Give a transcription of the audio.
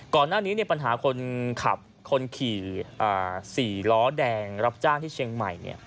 ก่อนหน้านี้ปัญหาคนขับคนขี่๔ล้อแดงรับจ้างที่เชียงใหม่